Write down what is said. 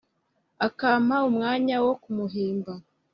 akampa umwanya wo kumuhimba,